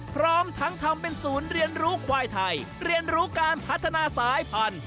พร้อมทั้งทำเป็นศูนย์เรียนรู้ควายไทยเรียนรู้การพัฒนาสายพันธุ